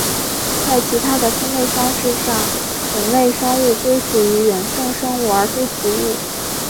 在其他的分类方式上本类生物归属于原生生物而非植物。